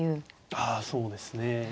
ああそうですね。